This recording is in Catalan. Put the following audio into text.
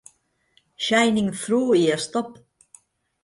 "Shining Through" i "Stop!